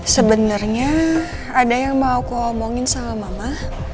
sebenernya ada yang mau kukomongin soal mama